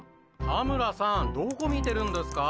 田村さんどこ見てるんですか？」。